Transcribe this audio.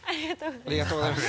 ありがとうございます。